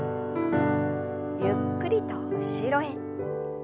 ゆっくりと後ろへ。